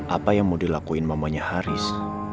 apa yang mau dilakuin mamanya haris